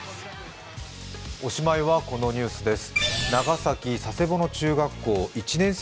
おしまいはこのニュースです。